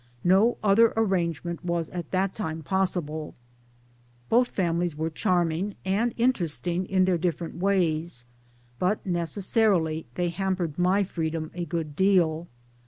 No other arrangement was at that time possible. Both families were charming and interesting in their different ways ; but necessarily they hampered my freedom a good deal.